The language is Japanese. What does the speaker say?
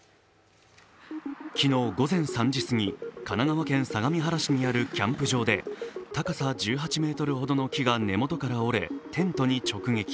昨日午前３時過ぎ、神奈川県相模原市にあるキャンプ場で高さ１８ｍほどの木が根元から折れテントを直撃。